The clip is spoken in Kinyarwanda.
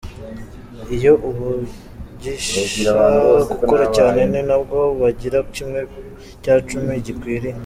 Iyo ubigisha gukora cyane ni nabwo bagira kimwe cya cumi gikwiriye.